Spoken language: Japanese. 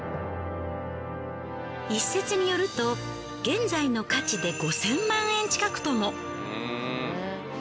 一説によると現在の価値で５，０００万円近くとも。